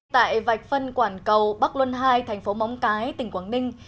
tại vạch phân quản cầu bắc luân hai thành phố móng cái tỉnh quảng ninh